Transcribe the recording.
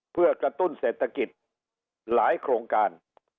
เพื่อกระตุ้นเศรษฐกิจหลายโครงการ